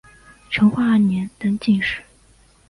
成化二年登进士。